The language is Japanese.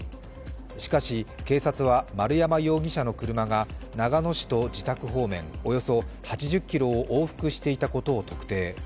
しかし警察は、丸山容疑者の車が長野市と自宅方面、およそ８０ｋｍを往復していたことを特定。